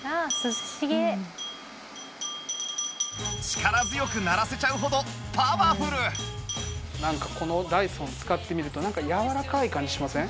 力強く鳴らせちゃうほどパワフル！なんかこのダイソンを使ってみるとなんかやわらかい感じしません？